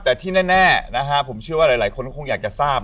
แต่ที่แน่ผมว่าหลายคุณคงอยากจะทราบ